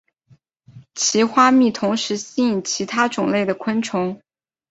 其花蜜同时吸引其他种类的昆虫。